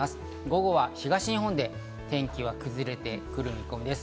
午後は東日本で天気が崩れてくる見込みです。